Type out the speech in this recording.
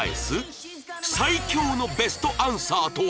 最強のベストアンサーとは